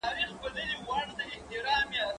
زه پرون اوبه پاکې کړې؟